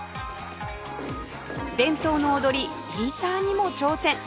伝統の踊りエイサーにも挑戦